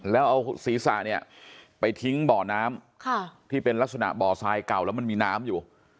แล้วเอาศีรษะเนี่ยไปทิ้งบ่อน้ำที่เป็นลักษณะบ่อทรายเก่าแล้วมันมีน้ำอยู่